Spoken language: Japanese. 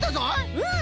うん！